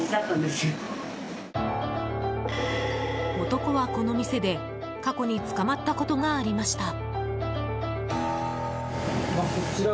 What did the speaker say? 男はこの店で過去に捕まったことがありました。